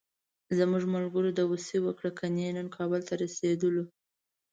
زموږ ملګرو داوسي وکړه، کني نن کابل ته رسېدلو.